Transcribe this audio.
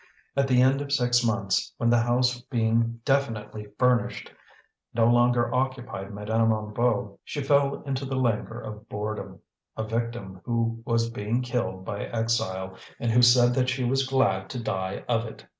At the end of six months, when the house, being definitely furnished, no longer occupied Madame Hennebeau, she fell into the languor of boredom, a victim who was being killed by exile, and who said that she was glad to die of it.